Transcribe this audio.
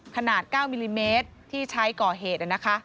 ขนาด๙มิลลิเมตรที่ใช้ก่อเหตุ